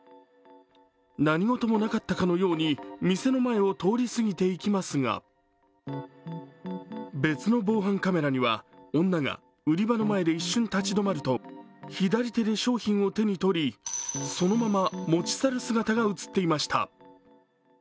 何事もなかったかのように店の前を通り過ぎていきますが別の防犯カメラには、女が売り場の前で一瞬立ち止まると左手で商品を手に取り、そのまま持ち去る姿が映っていました。